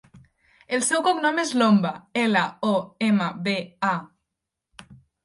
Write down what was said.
El seu cognom és Lomba: ela, o, ema, be, a.